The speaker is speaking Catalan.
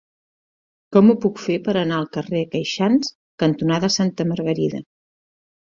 Com ho puc fer per anar al carrer Queixans cantonada Santa Margarida?